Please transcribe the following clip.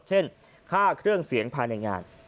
ค่าเครื่องเสียงภายในงาน